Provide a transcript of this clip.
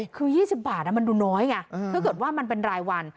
คือ๒๐บาทมันดูน้อยไงถ้าเกิดว่ามันเป็นรายวัน